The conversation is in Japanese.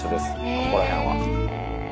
ここら辺は。